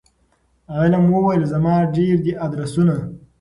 علم وویل زما ډیر دي آدرسونه